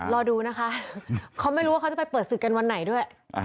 รอดูนะคะเขาไม่รู้ว่าเขาจะไปเปิดศึกกันวันไหนด้วย